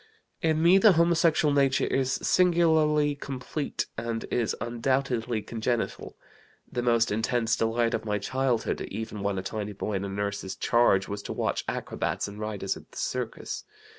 "In me the homosexual nature is singularly complete, and is undoubtedly congenital. The most intense delight of my childhood (even when a tiny boy in a nurse's charge) was to watch acrobats and riders at the circus.